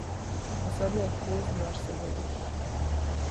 اثری از حزن در صدایش